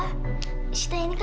sama sita jangan percaya